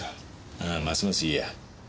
ああますますいいや。